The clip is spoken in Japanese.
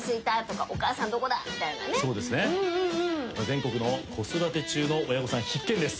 全国の子育て中の親御さん必見です。